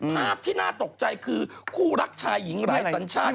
ภาพที่น่าตกใจคือคู่รักชายหญิงหลายสัญชาติ